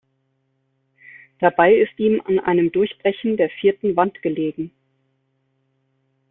Dabei ist ihm an einem Durchbrechen der Vierten Wand gelegen.